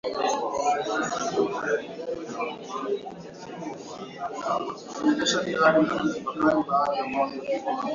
lakini imejulikana kama kunakuwa watu ambao wanauza madini